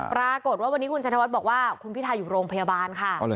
ปรากฏว่าวันนี้คุณชัยธวัฒน์บอกว่าคุณพิทาอยู่โรงพยาบาลค่ะ